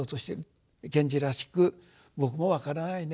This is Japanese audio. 賢治らしく僕も分からないね